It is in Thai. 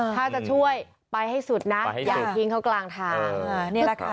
ถ้าจะช่วยไปให้สุดนะอย่าทิ้งเขากลางทาง